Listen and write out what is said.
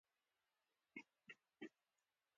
دا د ونې کلي شکل ته ښکلا ورکولو په منظور هم کېږي.